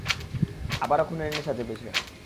আবারো খুনের নেশা চেপেছে।